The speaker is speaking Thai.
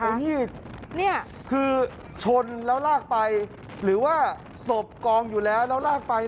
เอามีดเนี่ยคือชนแล้วลากไปหรือว่าศพกองอยู่แล้วแล้วลากไป